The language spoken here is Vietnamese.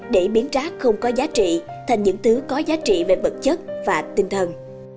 để biến rác không có giá trị thành những thứ có giá trị về vật chất và tinh thần